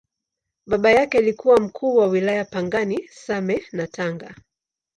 Baba yake alikuwa Mkuu wa Wilaya Pangani, Same na Tanga.